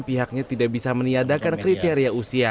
pihaknya tidak bisa meniadakan kriteria usia